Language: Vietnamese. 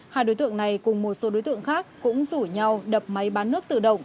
hai đối tượng này cùng một số đối tượng khác cũng rủ nhau đập máy bán nước tự động